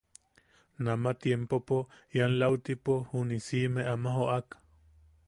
Nama tiempopo ian lautipo juni siʼime ama joʼak.